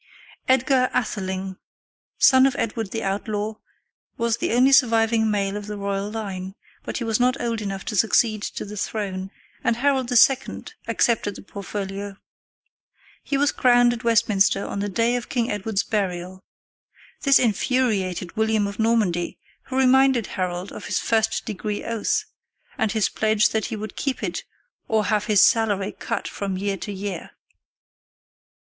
Edgar Atheling, son of Edward the Outlaw, was the only surviving male of the royal line, but he was not old enough to succeed to the throne, and Harold II. accepted the portfolio. He was crowned at Westminster on the day of King Edward's burial. This infuriated William of Normandy, who reminded Harold of his first degree oath, and his pledge that he would keep it "or have his salary cut from year to year."